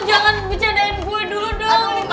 lo jangan bercandaan gue dulu dong